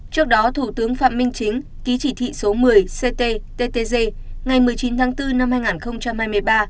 trước đó thủ tướng phạm minh chính ký chỉ thị số một mươi cttg ngày một mươi chín tháng bốn năm hai nghìn hai mươi ba